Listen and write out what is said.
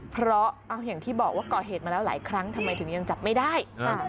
เพราะอย่างที่บอกว่าก่อเหตุมาแล้วหลายครั้งทำไมถึงยังจับไม่ได้